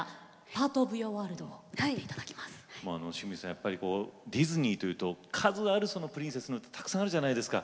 やっぱりディズニーというと数あるプリンセスのってたくさんあるじゃないですか。